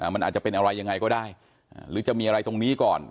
มันอาจจะเป็นอะไรยังไงก็ได้หรือจะมีอะไรตรงนี้ก่อน